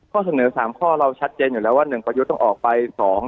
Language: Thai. ข้อเสนอ๓ข้อเราชัดเจนอยู่แล้วว่า๑ประยุทธ์ต้องออกไป๒